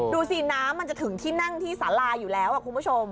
ดูสิน้ำมันจะถึงที่นั่งที่สาราอยู่แล้วคุณผู้ชม